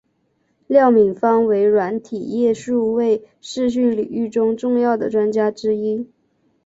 廖敏芳为软体业数位视讯领域中重要的专家之一。